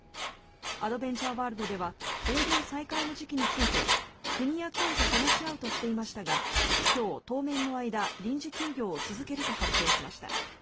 アドベンチャーワールドでは営業再開の時期について国や県と話し合うとしていましたが今日、当面の間臨時休業を続けると発表しました。